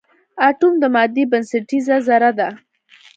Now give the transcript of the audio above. اټوم د مادې بنسټیزه ذره ده.